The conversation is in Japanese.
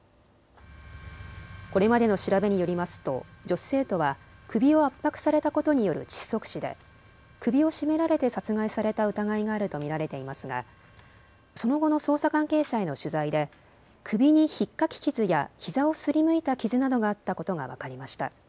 これまでの調べによりますと女子生徒は首を圧迫されたことによる窒息死で首を絞められて殺害された疑いがあると見られていますがその後の捜査関係者への取材で首にひっかき傷やひざをすりむいた傷などがあったことが分かりました。